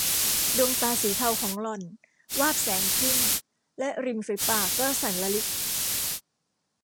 ดวงตาสีเทาของหล่อนวาบแสงขึ้นและริมปีฝากก็สั่นระริก